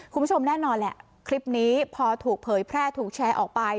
คุณผู้ชมแน่นอนแหละคลิปนี้พอถูกเผยแพร่ถูกแชร์ออกไป